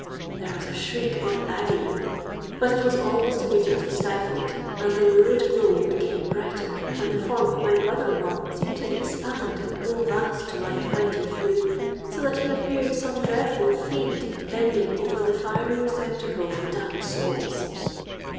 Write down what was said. There was a shriek of agony—but it was almost immediately stifled; and the lurid glow became brighter, and the form of my brother in law seemed to expand and grow vast to my affrighted view; so that he appeared some dreadful fiend bending over the fiery receptacle for damned souls!